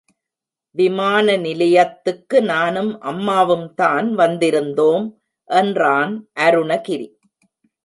விமான நிலையத்துக்கு நானும் அம்மாவும்தான் வந்திருந்தோம், என்றான் அருணகிரி.